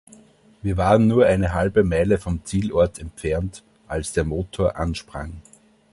Wir waren nur eine halbe Meile vom Zielort entfernt, als der Motor ansprang.